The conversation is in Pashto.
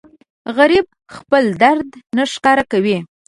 غریب خپل درد نه ښکاره کوي